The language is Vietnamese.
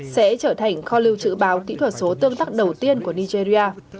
sẽ trở thành kho lưu trữ báo kỹ thuật số tương tắc đầu tiên của nigeria